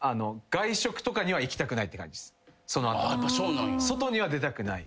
外には出たくない。